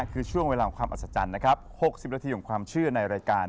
คือช่วงเวลาของความอัศจรรย์นะครับ๖๐นาทีของความเชื่อในรายการ